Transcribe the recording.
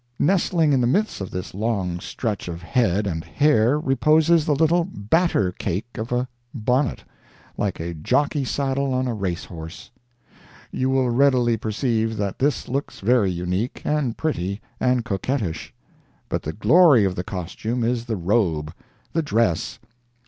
Nestling in the midst of this long stretch of head and hair reposes the little batter cake of a bonnet, like a jockey saddle on a race horse. You will readily perceive that this looks very unique, and pretty, and coquettish. But the glory of the costume is the robe—the dress.